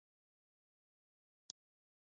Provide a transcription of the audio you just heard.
اعلانولو ته تیار نه وو.